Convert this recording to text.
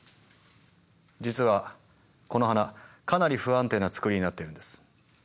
実はこの花かなり不安定なつくりになってるんです。